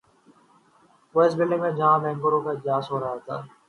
وہ اس بلڈنگ میں گئے جہاں بینکروں کا اجلاس ہو رہا تھا۔